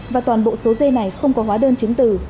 và toàn bộ số dây này không có hóa đơn chứng từ